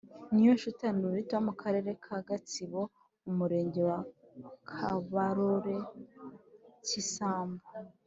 Niyonshuti annuite wo mukarere ka gatsibo umurenge wa kabarore cy isambu